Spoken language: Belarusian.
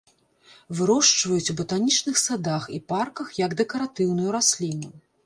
Вырошчваюць ў батанічных садах і парках як дэкаратыўную расліну.